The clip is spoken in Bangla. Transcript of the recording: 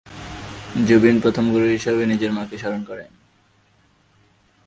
জুবিন প্রথম গুরু হিসাবে নিজের মাকে স্মরণ করেন।